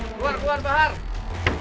tuh udah mau tenggelam